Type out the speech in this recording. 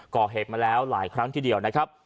ก่อเหตุมาแล้วหลายครั้งทีเดียวนะครับ